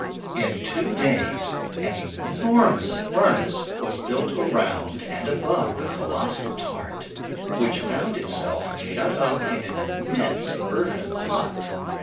In two days an enormous furnace was built around and above the colossal tart, which found itself shut up in an immense earthen pot.